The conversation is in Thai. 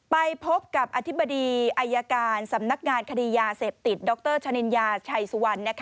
ไปพบกับอธิบดีอายการสำนักงานคดียาเสพติดดรชนินยาชัยสุวรรณ